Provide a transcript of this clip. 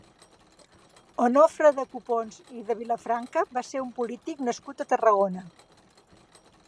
Onofre de Copons i de Vilafranca va ser un polític nascut a Tarragona.